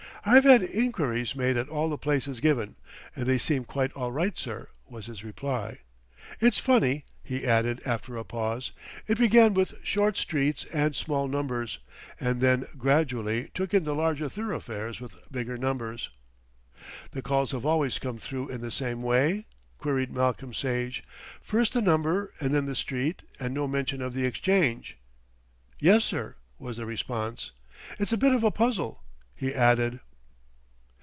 "I've had enquiries made at all the places given, and they seem quite all right, sir," was his reply. "It's funny," he added after a pause. "It began with short streets and small numbers, and then gradually took in the larger thoroughfares with bigger numbers." "The calls have always come through in the same way?" queried Malcolm Sage. "First the number and then the street and no mention of the exchange." "Yes, sir," was the response. "It's a bit of a puzzle," he added.